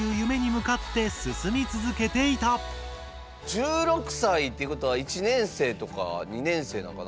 １６歳っていうことは１年生とか２年生だから。